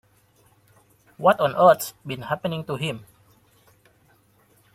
What on earth's been happening to him?